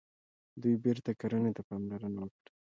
دوی بیرته کرنې ته پاملرنه وکړه.